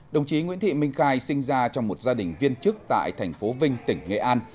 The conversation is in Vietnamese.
đồng chí nguyễn thị minh khai sinh ra trong một gia đình viên chức tại thành phố vinh tỉnh nghệ an